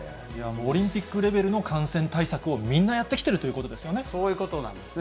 オリンピックレベルの感染対策を、みんなやってきてるということですよね。